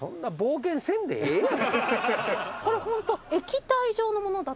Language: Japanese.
これホント。